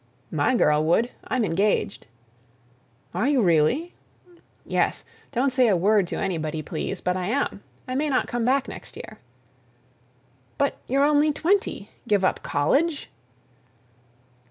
"My girl would. I'm engaged." "Are you really?" "Yes. Don't say a word to anybody, please, but I am. I may not come back next year." "But you're only twenty! Give up college?"